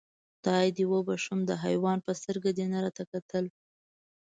خدایکه دې وبښم، د حیوان په سترګه دې نه راته کتل.